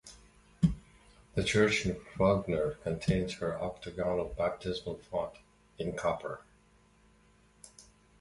The church in Frogner contains her octagonal baptismal font in copper.